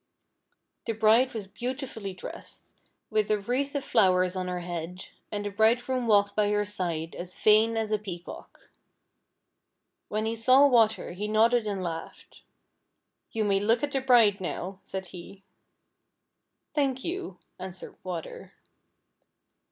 The bride was beautifully dressed, with a wreath of flowers on her head, and the Bridegroom walked by her side, as vain as a peacock. When he saw Water he nodded and laughed. " You may look at the bride now," said he. " Thank you," answered Water.